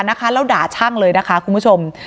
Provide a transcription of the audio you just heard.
แล้วด่าช่างเลยนะคะคุณผู้ชม